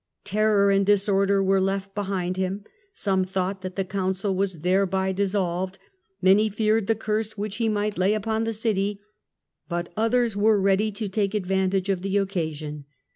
Terror and disorder were left behind him ; some thought the Council was thereby dissolved, many feared the curse which he might lay upon the city, but others were ready to take advantage of the occasion.